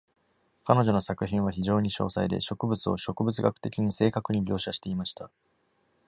彼女の作品は、非常に詳細で、植物を植物学的に正確に描写していました。